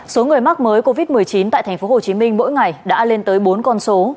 số người mắc mới covid một mươi chín tại tp hcm mỗi ngày đã lên tới bốn con số